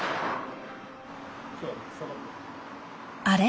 あれ？